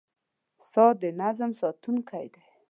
• ساعت د نظم ساتونکی دی.